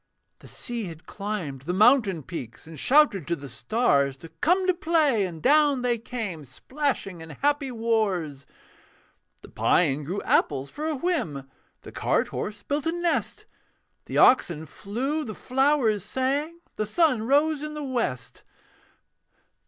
The sea had climbed the mountain peaks, And shouted to the stars To come to play: and down they came Splashing in happy wars. The pine grew apples for a whim, The cart horse built a nest; The oxen flew, the flowers sang, The sun rose in the west.